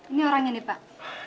ini orangnya nih pak